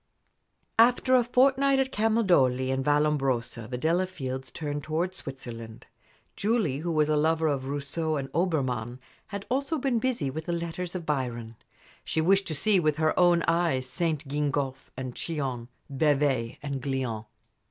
After a fortnight at Camaldoli and Vallombrosa the Delafields turned towards Switzerland. Julie, who was a lover of Rousseau and Obermann, had been also busy with the letters of Byron. She wished to see with her own eyes St. Gingolphe and Chillon, Bevay and Glion.